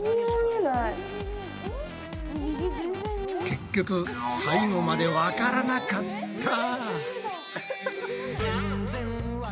結局最後までわからなかった。